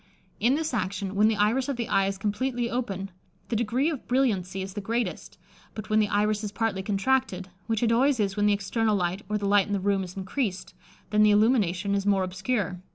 In this action, when the iris of the eye is completely open, the degree of brilliancy is the greatest; but when the iris is partly contracted, which it always is when the external light, or the light in the room, is increased, then the illumination is more obscure.